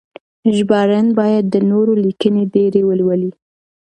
ژباړن باید د نورو لیکنې ډېرې ولولي.